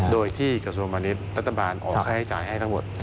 โดยที่กระทรวงพาณิชย์รัฐบาลออกค่าใช้จ่ายให้ทั้งหมด